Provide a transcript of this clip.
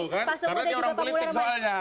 karena dia orang politik soalnya